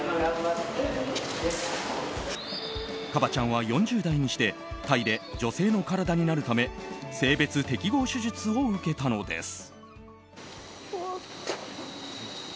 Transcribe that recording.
ＫＡＢＡ．ちゃんは４０代にしてタイで女性の体になるため性別適合手術を受けたのです。